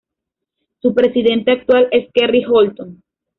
Su presidente actual es Kerry Holton.